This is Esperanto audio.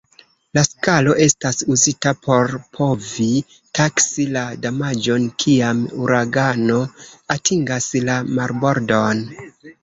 La skalo estas uzita por povi taksi la damaĝon kiam uragano atingas la marbordon.